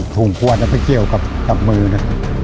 ถุงปวดไปเกี่ยวกับมือนะครับ